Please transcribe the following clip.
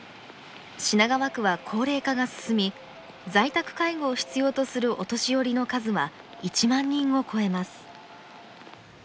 品川区は高齢化が進み在宅介護を必要とするお年寄りの数は１万人を超えます。